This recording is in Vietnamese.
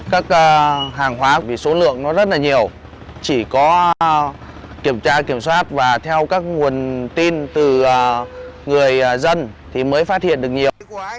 các hàng hóa vì số lượng nó rất là nhiều chỉ có kiểm tra kiểm soát và theo các nguồn tin từ người dân thì mới phát hiện được nhiều